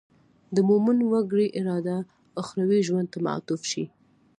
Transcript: د مومن وګړي اراده اخروي ژوند ته معطوف شي.